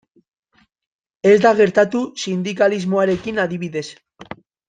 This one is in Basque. Ez da gertatu sindikalismoarekin, adibidez.